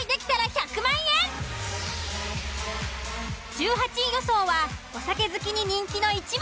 １８位予想はお酒好きに人気の１枚。